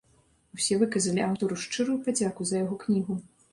Усе выказалі аўтару шчырую падзяку за яго кнігу.